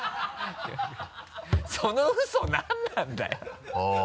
そのウソ何なんだよ